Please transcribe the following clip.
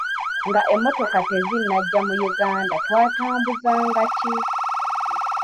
Nga emmotoka tezinnajja mu Uganda twatambuzanga ki?